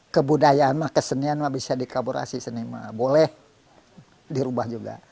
kebudayaan dan kesenian bisa dikaburasi boleh dirubah juga